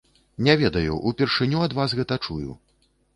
Не ведаю, упершыню ад вас гэта чую.